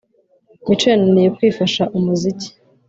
Mico yananiwe kwifasha umuziki